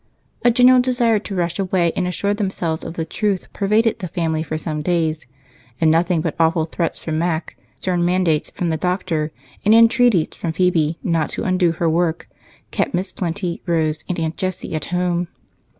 A general desire to rush away and assure themselves of the truth pervaded the family for some days, and nothing but awful threats from Mac, stern mandates from the doctor, and entreaties from Phebe not to undo her work kept Miss Plenty, Rose, and Aunt Jessie at home.